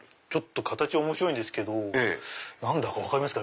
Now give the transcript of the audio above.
形面白いんですけど何だか分かりますか？